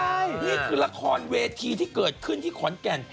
นี่คือละครเวทีที่เกิดขึ้นที่ขอนแก่น